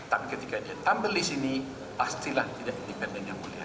tapi ketika dia tampil di sini pastilah tidak dipendang yang mulia